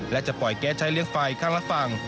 และจะปล่อยแก๊สใช้เลี้ยงไฟข้างละฝั่ง